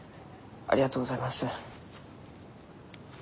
ありがとうございます。